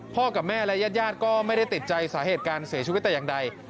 กับแม่และญาติก็ไม่ได้ติดใจสาเหตุการเสียชีวิตแต่อย่างใด